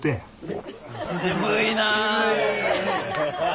渋いな。